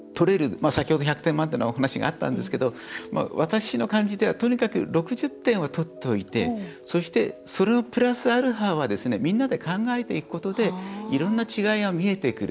先ほど１００点満点のお話があったんですけど、私の感じではとにかく６０点を取っておいてそして、それのプラスアルファはみんなで考えていくことでいろんな違いが見えてくる。